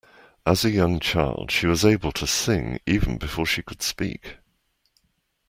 As a young child she was able to sing even before she could speak